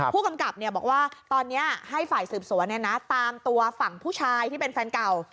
ผู้กำกับบอกว่าตอนนี้ให้ฝ่ายสืบสวนตามตัวฝั่งผู้ชายที่เป็นแฟนเก่า